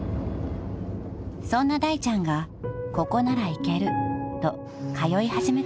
［そんなだいちゃんが「ここなら行ける」と通い始めた場所があります］